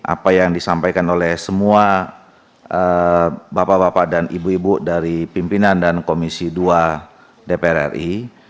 apa yang disampaikan oleh semua bapak bapak dan ibu ibu dari pimpinan dan komisi dua dpr ri